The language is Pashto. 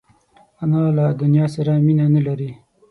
انا له دنیا سره مینه نه لري